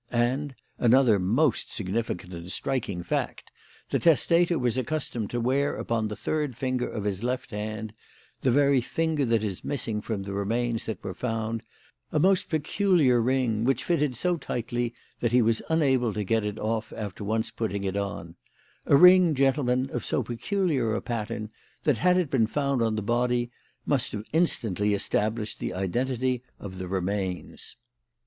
And another most significant and striking fact the testator was accustomed to wear upon the third finger of his left hand the very finger that is missing from the remains that were found a most peculiar ring, which fitted so tightly that he was unable to get it off after once putting it on; a ring, gentlemen, of so peculiar a pattern that had it been found on the body must have instantly established the identity of the remains.